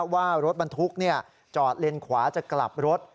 ว่ารถบรรทุกจอดเลนขวาจะกลับรถ